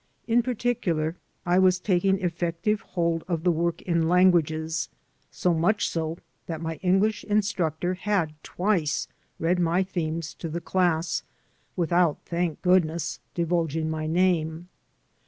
In particular, I was taking effective hold of the work in languages, so much so that my English instructor had twice read my themes to the class without (thank goodness!) divulging my name.